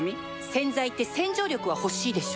洗剤って洗浄力は欲しいでしょ